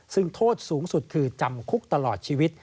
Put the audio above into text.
ซึ่งโทษสูงสุดคือจำคุกตลอดชีวิต